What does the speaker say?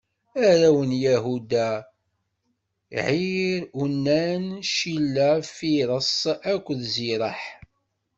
Arraw n Yahuda: Ɛir, Unan, Cila, Firiṣ akked Ziraḥ.